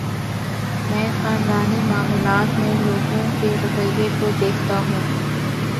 میں خاندانی معاملات میں لوگوں کے رویے کو دیکھتا ہوں۔